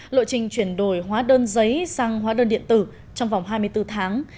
lộ trình chuyển đổi hóa đơn giấy sang hóa đơn điện tử trong vòng hai mươi bốn tháng